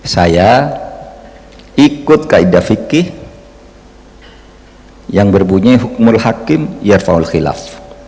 saya ikut kaidah fikih yang berbunyi murhakim yerfaul khilaf